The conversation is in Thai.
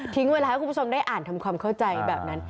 เวลาให้คุณผู้ชมได้อ่านทำความเข้าใจแบบนั้น